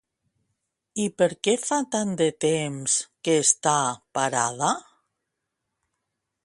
I per què fa tant de temps que està parada?